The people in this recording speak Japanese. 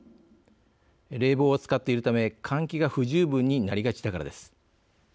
冷房を使っているため換気が不十分になりがちだからです。